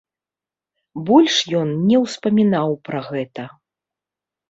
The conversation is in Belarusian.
Больш ён не ўспамінаў пра гэта.